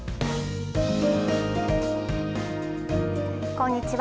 こんにちは。